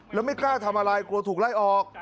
แล้วไม่กล้าทำอะไรกลัวถูกไล่ออก